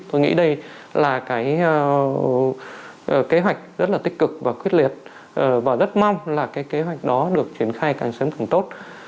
tôi nghĩ đây là cái kế hoạch rất là tích cực và quyết liệt và rất mong là cái kế hoạch đó được triển khai càng sớm càng tốt